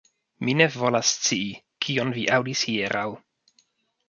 Mi ne volas scii, kion vi aŭdis hieraŭ.